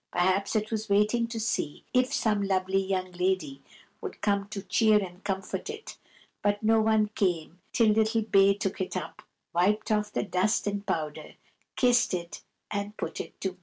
Perhaps it was waiting to see if some lovely young lady would come to cheer and comfort it; but no one came till little Bay took it up, wiped off the dust and powder, kissed it, and put it to bed.